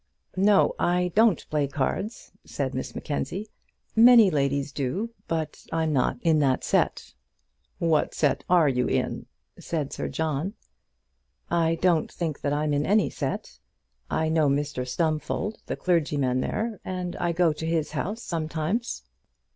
"No; I don't play cards," said Miss Mackenzie. "Many ladies do, but I'm not in that set." "What set are you in?" said Sir John. "I don't think I am in any set. I know Mr Stumfold, the clergyman there, and I go to his house sometimes."